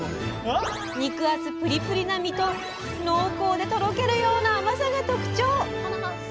肉厚プリプリな身と濃厚でとろけるような甘さが特徴！